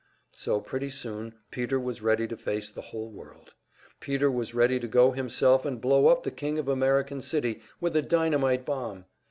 So pretty soon Peter was ready to face the whole world; Peter was ready to go himself and blow up the king of American City with a dynamite bomb!